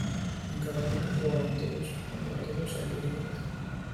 En cada grupo jugaban todos contra todos a ida y vuelta.